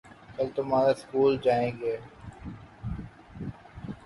کل تمہارے سکول جائیں گے